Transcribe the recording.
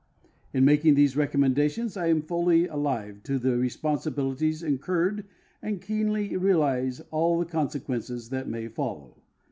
In making these recommendations I am fully alive to the responsibili ties incurred and keenly realize all the conse(]uences that may follow.